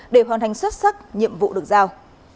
để hoàn thành xuất sắc nhiệm vụ được giao